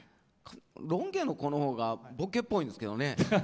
ロン毛の子の方がボケっぽいんですけどね。